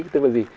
tức là gì